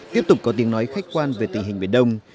tiếp tục có tiếng nói khách quan về tình hình về đồng